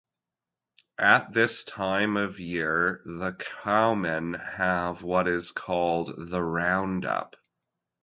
At this time of year the cowmen have what is called the round-up.